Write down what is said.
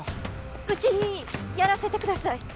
うちにやらせてください！